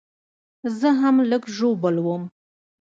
زه هم لږ ژوبل وم